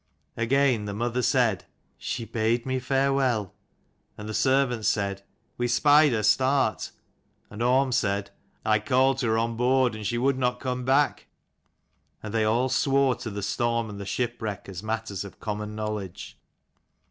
Again the mother said " She bade me fare well:" and the servants said "We spied her start:" and Orm said "I called to her on board, and she would not come back:" and they all swore to the storm and the ship wreck as matters of common knowledge.